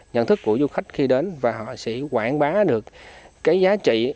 nhận thức của du khách khi đến và họ sẽ quảng bá được cái giá trị